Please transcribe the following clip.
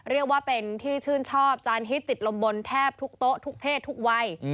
เรียกว่าเป็นที่ชื่นชอบจานฮิตติดลมบนแทบทุกโต๊ะทุกเพศทุกวัย